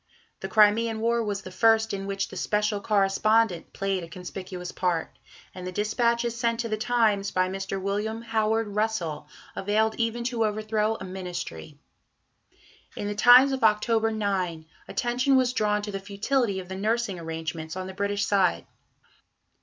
The Crimean War was the first in which the "Special Correspondent" played a conspicuous part, and the dispatches sent to the Times by Mr. William Howard Russell availed even to overthrow a Ministry. In the Times of October 9, attention was drawn to the futility of the nursing arrangements on the British side.